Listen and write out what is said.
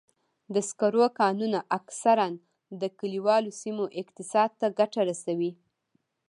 د سکرو کانونه اکثراً د کلیوالو سیمو اقتصاد ته ګټه رسوي.